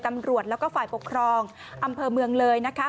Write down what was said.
ตำรวจแล้วก็ฝ่ายปกครองอำเภอเมืองเลยนะคะ